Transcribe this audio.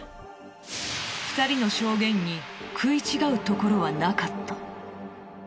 ２人の証言に食い違うところはなかった。